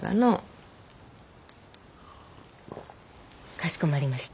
かしこまりました。